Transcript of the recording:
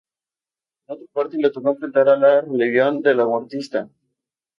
Por otra parte, le tocó enfrentar a la rebelión delahuertista.